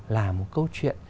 làm một câu chuyện